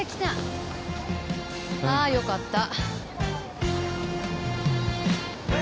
ああよかった。